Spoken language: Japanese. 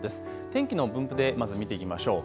天気の分布でまず見ていきましょう。